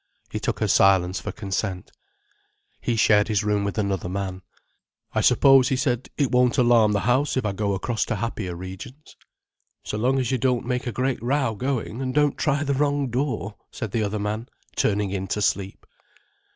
He took her silence for consent. He shared his room with another man. "I suppose," he said, "it won't alarm the house if I go across to happier regions." "So long as you don't make a great row going, and don't try the wrong door," said the other man, turning in to sleep.